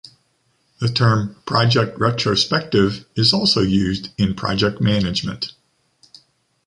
The term project retrospective is also used in project management.